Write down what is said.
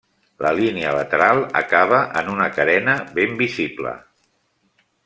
La línia lateral acaba en una carena ben visible.